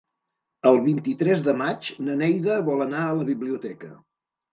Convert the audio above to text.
El vint-i-tres de maig na Neida vol anar a la biblioteca.